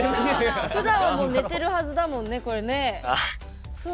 ふだんはもう寝てるはずだもんね。